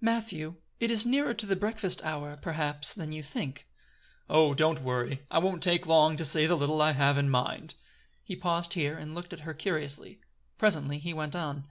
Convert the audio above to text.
"Matthew, it is nearer to the breakfast hour, perhaps, than you think." "Oh! don't worry. I won't take long to say the little I have in mind." He paused here, and looked at her curiously. Presently he went on.